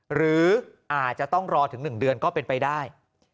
หรืออาจจะต้องรอถึง๑เดือนก็เป็นไปได้